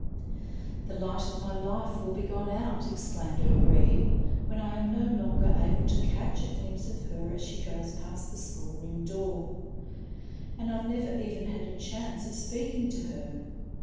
"The light of my life will be gone out," exclaimed O'Gree, "when I am no longer able to catch a glimpse of her as she goes past the schoolroom door. And I've never even had a chance of speaking to her.